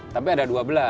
tapi ada dua belas